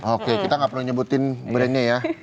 oke kita nggak perlu nyebutin brandnya ya